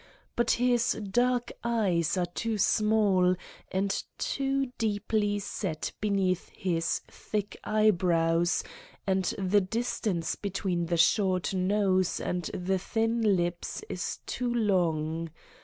But his dark eyes are too small and too deeply set beneath his thick eyebrows and the distance between the short nose and the thin lips is too long.